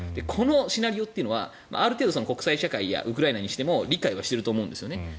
このシナリオはある程度国際社会やウクライナにしても理解していると思うんですね。